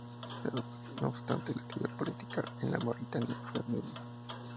No obstante, la actividad política en Mauritania fue mínima.